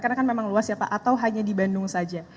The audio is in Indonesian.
karena kan memang luas ya pak atau hanya di bandung saja